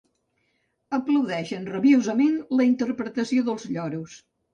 Aplaudeixen rabiosament la interpretació dels lloros.